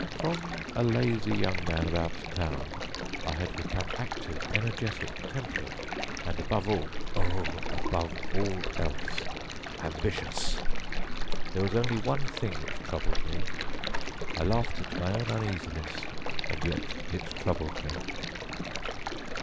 From a lazy young man about town, I had become active, energetic, temperate, and above all oh, above all else ambitious. There was only one thing which troubled me, I laughed at my own uneasiness, and yet it troubled me.